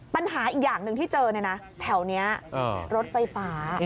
ปัญหาอีกอย่างหนึ่งที่เจอเนี่ยนะแถวนี้รถไฟฟ้า